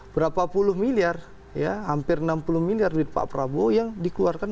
berapa puluh miliar ya hampir enam puluh miliar duit pak prabowo yang dikeluarkan